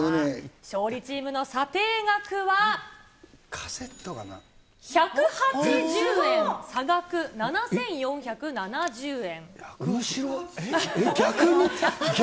勝利チームの査定額は１８０逆に、差額が７４７０円。